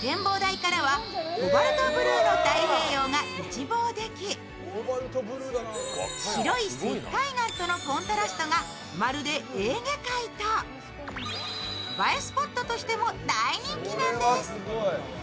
展望台からはコバルトブルーの太平洋が一望でき、白い石灰岩とのコントラストがまるでエーゲ海と映えスポットとしても大人気なんです。